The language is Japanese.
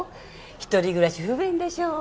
一人暮らし不便でしょう？